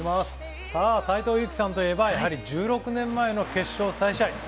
斎藤佑樹さんといえば、１６年前の決勝再試合。